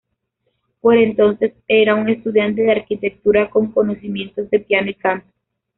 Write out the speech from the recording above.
Por entonces era un estudiante de arquitectura con conocimientos de piano y canto.